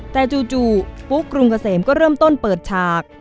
แต่จู่ปุ๊กกรุงเกษมก็เริ่มต้นเปิดฉาก